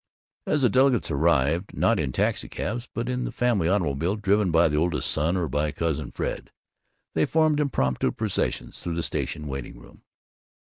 As the delegates arrived, not in taxicabs but in the family automobile driven by the oldest son or by Cousin Fred, they formed impromptu processions through the station waiting room.